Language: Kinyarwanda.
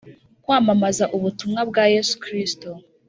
Kwamamaza ubutumwa bwa Yesu Kristo